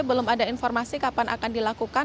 belum ada informasi kapan akan dilakukan